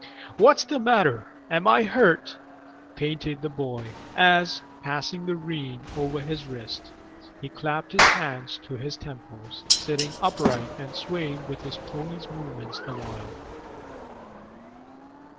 "What's the matter? Am I hurt?" panted the boy, as, passing the rein over his wrist, he clapped his hands to his temples, sitting upright and swaying with his pony's movements the while.